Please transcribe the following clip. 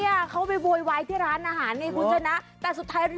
วิทยาลัยศาสตร์อัศวิทยาลัยศาสตร์